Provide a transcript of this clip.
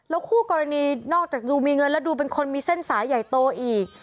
คู่กรณีนอกจากดูมีเงินแล้วดูเป็นคนมีเส้นสายใหญ่โตอีก